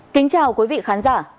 kính chào quý vị khán giả